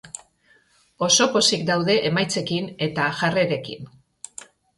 Oso pozik daude emaitzekin eta jarrerekin.